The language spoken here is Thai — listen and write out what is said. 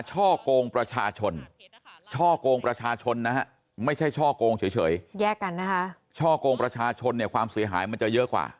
ช่วงชนนะฮะไม่ใช่ช่อกงเฉยแยกกันนะฮะช่อกงประชาชนเนี่ยความเสียหายมันจะเยอะกว่า